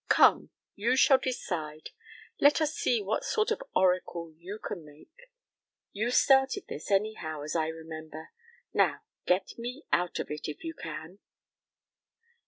"Come, you shall decide. Let us see what sort of oracle you can make. You started this, anyhow, as I remember. Now get me out of it, if you can."